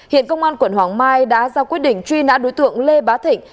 hiện công an quận hoàng mai đã ra quyết định truy nã đối tượng lê bá thịnh